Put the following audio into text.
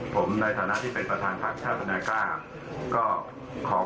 ผมในฐานะที่เป็นประธานภาคชาติศาสตร์พนักกล้า